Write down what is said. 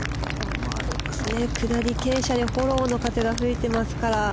下り傾斜でフォローの風が吹いてますから。